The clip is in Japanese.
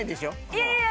いやいや。